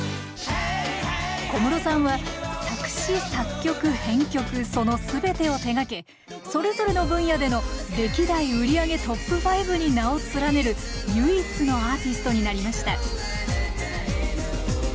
小室さんは作詞作曲編曲その全てを手がけそれぞれの分野での歴代売り上げトップ５に名を連ねる唯一のアーティストになりました